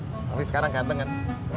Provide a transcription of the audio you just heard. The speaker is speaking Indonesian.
tapi sekarang ganteng kan